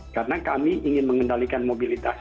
karena kami ingin mengendalikan mobilitas